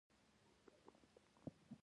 هغه غوښتل د انګلیسي پوځ قوت زیات کړي.